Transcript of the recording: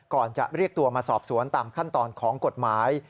จะเรียกตัวมาสอบสวนตามขั้นตอนของกฎหมาย